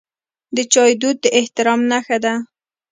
د چای دود د احترام نښه ده.